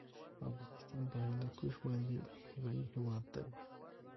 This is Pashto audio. افغانستان په هندوکش باندې غني هېواد دی.